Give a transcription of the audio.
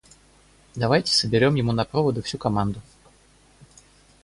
Давайте соберем ему на проводы всю команду.